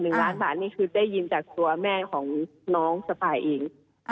ล้านบาทนี่คือได้ยินจากตัวแม่ของน้องสปายเอง